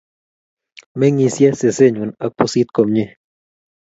Mengishe sesennyu ak pusit komie